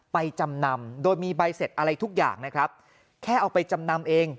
จำนำโดยมีใบเสร็จอะไรทุกอย่างนะครับแค่เอาไปจำนำเอง